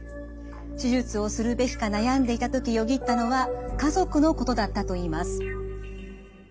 手術をするべきか悩んでいた時よぎったのは家族のことだったと言います。